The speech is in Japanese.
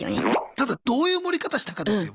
ただどういう盛り方したかですよ問題は。